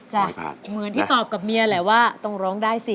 เหมือนที่ตอบกับเมียแหละว่าต้องร้องได้สิ